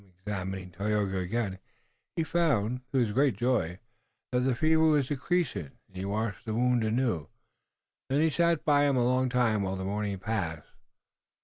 Examining Tayoga again, he found, to his great joy, that the fever was decreasing, and he washed the wound anew. Then he sat by him a long time while the morning passed.